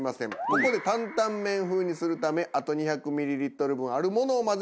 ここで担々麺風にするためあと２００ミリリットル分あるものを混ぜます。